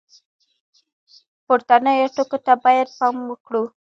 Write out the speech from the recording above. پورتنیو ټکو ته باید پام وکړو.